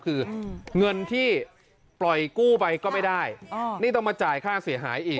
คือเงินที่ปล่อยกู้ไปก็ไม่ได้นี่ต้องมาจ่ายค่าเสียหายอีก